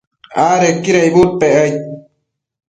adequida icbudpec aid